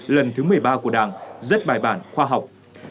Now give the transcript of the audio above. lần thứ một mươi ba của đảng rất bài bản khoa học